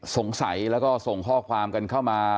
สงสัยแล้วก็ส่งข้อความกันเข้ามา